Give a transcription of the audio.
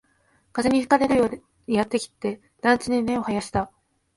風に吹かれるようにやってきて、団地に根を生やした